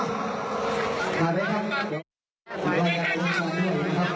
โอ้โหอย่างงี้ไม่น่าทดนะครับผม